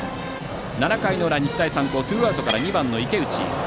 ７回の裏、日大三高ツーアウトから２番の池内。